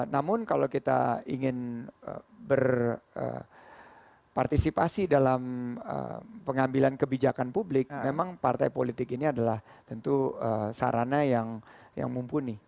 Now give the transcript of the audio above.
namun kalau kita ingin berpartisipasi dalam pengambilan kebijakan publik memang partai politik ini adalah tentu sarana yang mumpuni